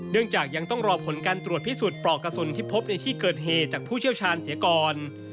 จากยังต้องรอผลการตรวจพิสูจน์ปลอกกระสุนที่พบในที่เกิดเหตุจากผู้เชี่ยวชาญเสียก่อน